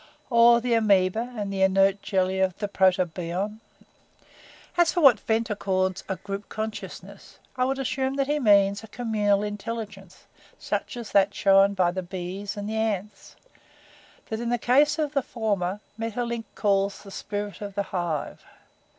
Or the amoeba and the inert jelly of the Protobion? "As for what Ventnor calls a group consciousness I would assume that he means a communal intelligence such as that shown by the bees and the ants that in the case of the former Maeterlinck calls the 'Spirit of the Hive.'